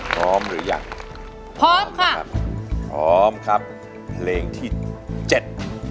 พร้อมหรือยังพร้อมค่ะครับพร้อมครับเพลงที่เจ็ด